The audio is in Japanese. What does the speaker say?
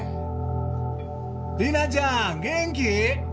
里奈ちゃん元気？